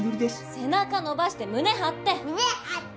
背中伸ばして胸張って！